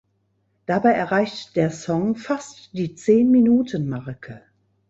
Dabei erreicht der Song fast die Zehn-Minuten-Marke.